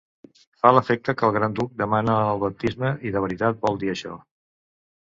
Fa l'efecte que el gran duc demana el baptisme i de veritat vol dir això.